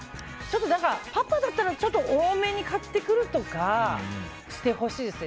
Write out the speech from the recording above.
パパだったら多めに買ってくるとかしてほしいですね。